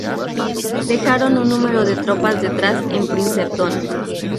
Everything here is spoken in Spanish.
Dejaron un número de tropas detrás en Princeton.